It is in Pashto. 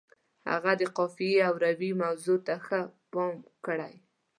هغه د قافیې او روي موضوع ته ښه پام کړی.